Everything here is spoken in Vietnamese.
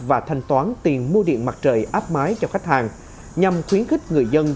và thanh toán tiền mua điện mặt trời áp mái cho khách hàng nhằm khuyến khích người dân